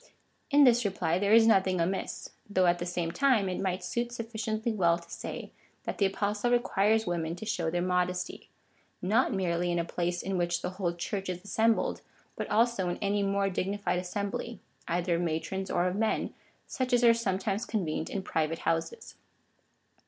In this reply there is nothing amiss, though at the same time it might suit sufficiently well to say, that the Apostle requires women to show their modesty — not merely in a place in which the whole Church is assembled, but also in any more dignified assembly, either of matrons or of men, such as are sometimes convened in private houses.